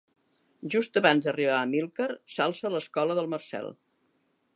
Just abans d'arribar a Amílcar s'alça l'escola del Marcel.